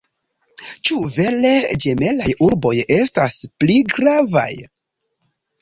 Ĉu vere ĝemelaj urboj estas pli gravaj?